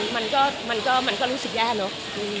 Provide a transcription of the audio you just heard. มันก็รู้สึกแย่เนอะ